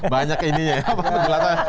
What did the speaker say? banyak ininya ya pak hendri